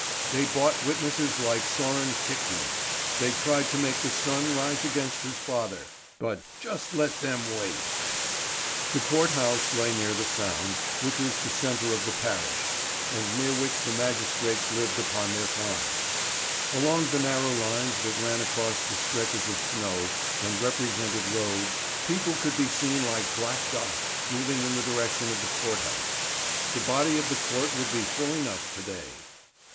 They bought witnesses like that Sören Kvikne. They tried to make the son rise against his father. But just let them wait! The court house lay near the sound, which is the centre of the parish, and near which the magistrates lived upon their farms. Along the narrow lines that ran across the stretches of snow and represented roads, people could be seen like black dots moving in the direction of the court house. The body of the court would be full enough to day.